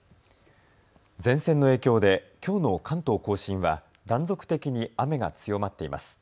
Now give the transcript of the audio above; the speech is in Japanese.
前線の影響できょうの関東甲信は断続的に雨が強まっています。